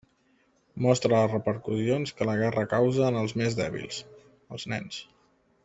Mostra les repercussions que la guerra causa en els més dèbils, els nens.